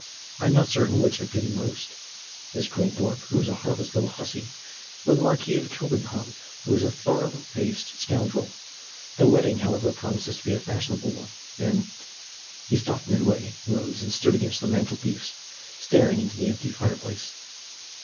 I am not certain which I pity most Miss Greenthorpe, who is a heartless little hussy, or the Marquis of Kilbenham who is a thorough paced scoundrel. The wedding, however, promises to be a fashionable one, and " He stopped midway, rose, and stood against the mantel piece, staring into the empty fireplace.